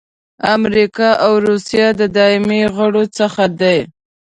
امریکا او روسیه د دایمي غړو څخه دي.